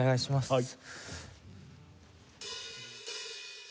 はい。